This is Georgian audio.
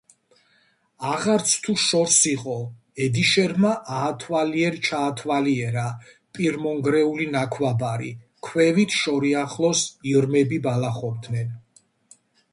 – აღარცთუ შორს იყო. ედიშერმა აათვალიერ-ჩაათვალიერა პირმონგრეული ნაქვაბარი, ქვევით, შორიახლოს, ირმები ბალახობდნენ.